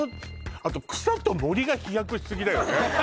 あと「草」と「森」が飛躍しすぎだよね